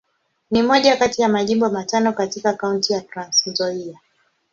Ni moja kati ya Majimbo matano katika Kaunti ya Trans-Nzoia.